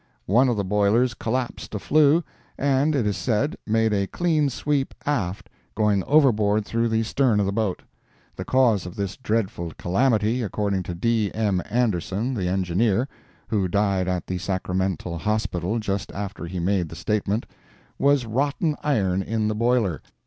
One of the boilers collapsed a flue, and, it is said, made a clean sweep aft, going overboard through the stern of the boat. The cause of this dreadful calamity, according to D. M. Anderson, the engineer, (who died at the Sacramento hospital just after he made the statement,) was rotten iron in the boiler.